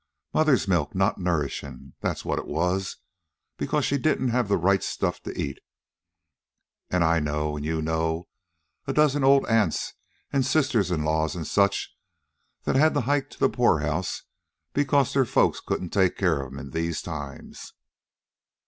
Mother's milk not nourishin', that's what it was, because she didn't have the right stuff to eat. An' I know, an' you know, a dozen old aunts, an' sister in laws, an' such, that's had to hike to the poorhouse because their folks couldn't take care of 'em in these times."